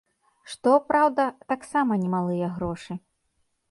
Што, праўда, таксама не малыя грошы.